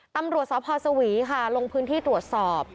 ตำรวจสพสวีค่ะลงพื้นที่ตรวจสอบ